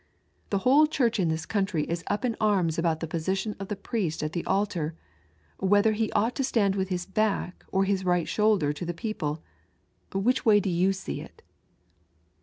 The whole Church in this country is ap in arms ahoiit the position of the priest at the altar : whether he ought to stand with his backj or his right shoulder to fttiie people ; which way did you do it